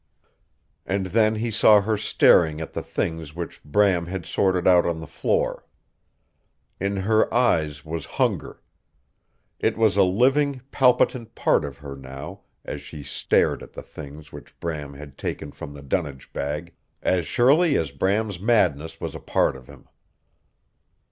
And then he saw her staring at the things which Bram had sorted out on the floor. In her eyes was hunger. It was a living, palpitant part of her now as she stared at the things which Bram had taken from the dunnage bag as surely as Bram's madness was a part of him.